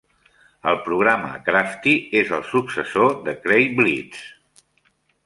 El programa Crafty és el successor de Cray Blitz.